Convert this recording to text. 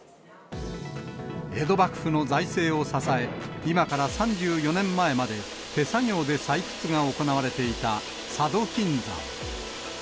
江戸幕府の財政を支え、今から３４年前まで手作業で採掘が行われていた佐渡金山。